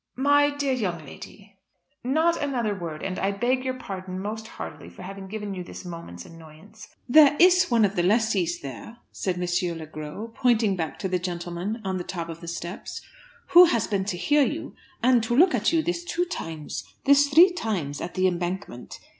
'" "My dear young lady " "Not another word; and I beg your pardon most heartily for having given you this moment's annoyance." "There is one of the lessees there," said M. Le Gros, pointing back to the gentleman on the top of the steps, "who has been to hear you and to look at you this two times this three times at 'The Embankment.'